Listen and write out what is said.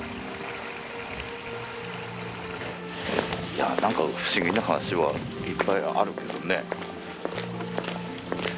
いやなんか不思議な話はいっぱいあるけどね。